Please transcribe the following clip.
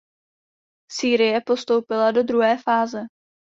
Sýrie postoupila do druhé fáze.